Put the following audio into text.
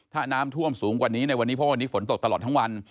ถ้าน้ำท่วมสูงกว่านี้ในวันนี้เพราะวันนี้ฝนตกตลอดทั้งวัน